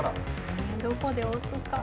どこで押すか。